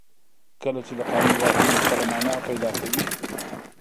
کله چې د قانون واکمني خپله معنا پیدا کوي.